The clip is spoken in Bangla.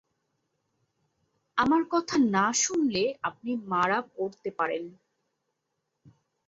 আমার কথা না শুনলে আপনি মারা পড়তে পারেন।